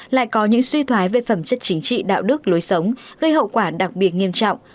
lại có những suy thoái về phẩm chất chính trị đạo đức lối sống gây hậu quả đặc biệt nghiêm trọng